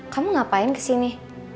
kamu ngapain kesini